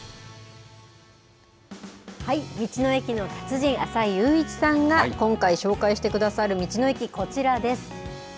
道の駅の達人、浅井佑一さんが、今回紹介してくださる道の駅、こちらです。